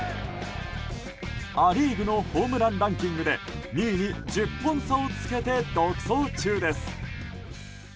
ア・リーグのホームランランキングで２位に１０本差をつけて独走中です。